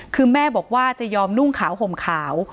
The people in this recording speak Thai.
คือแม่บอกว่าจะยอมนุ่งขาวห่มขาว